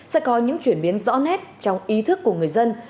sẽ có những chuyển biến rõ nét trong ý thức của người dân